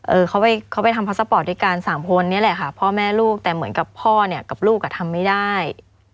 เออเขาไปเขาไปทำพาสปอร์ตด้วยกันสามคนเนี่ยแหละค่ะพ่อแม่ลูกแต่เหมือนกับพ่อเนี่ยกับลูกอ่ะทำไม่ได้